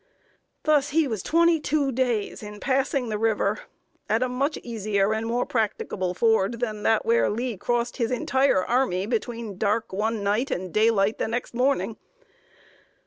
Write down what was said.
Thus he was twenty two days in passing the river at a much easier and more practicable ford than that where Lee crossed his entire army between dark one night and daylight the next morning.